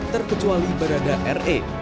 terkecuali barada re